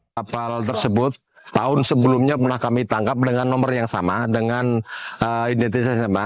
kapal tersebut tahun sebelumnya pernah kami tangkap dengan nomor yang sama dengan identitas smr